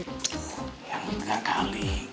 yang enggak kali